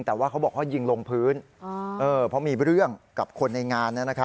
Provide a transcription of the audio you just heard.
แต่ว่าเขาบอกเขายิงลงพื้นเพราะมีเรื่องกับคนในงาน